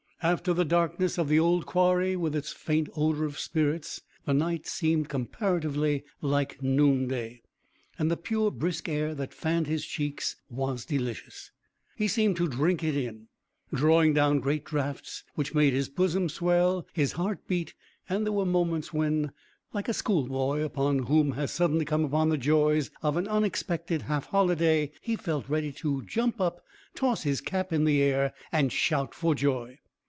After the darkness of the old quarry, with its faint odour of spirits, the night seemed comparatively like noonday, and the pure, brisk air that fanned his cheek delicious. He seemed to drink it in, drawing down great draughts which made his bosom swell, his heart beat, and there were moments when, like a schoolboy upon whom has suddenly come the joys of an unexpected half holiday, he felt ready to jump up, toss his cap in the air, and shout for joy.